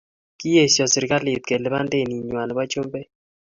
Koesho serikalit kelipan denit nywan nebo chumbek